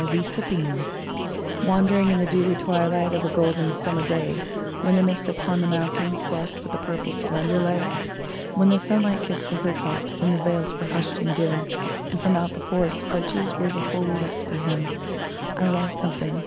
WHAT I LOST Wandering in the dewy twilight Of a golden summer day, When the mists upon the mountains Flushed with purple splendor lay : When the sunlight kissed the hilltops And the vales were hushed and dim, And from out the forest arches Rose a holy vesper hymn — I lost something.